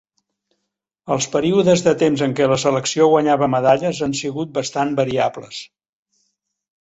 Els períodes de temps en què la selecció guanyava medalles han sigut bastant variables.